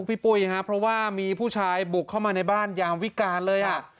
ปุ้ยฮะเพราะว่ามีผู้ชายบุกเข้ามาในบ้านยามวิการเลยอ่ะ